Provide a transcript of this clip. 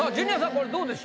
これどうでしょう？